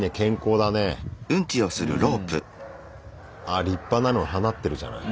あ立派なの放ってるじゃない。